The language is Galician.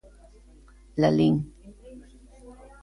Lalín.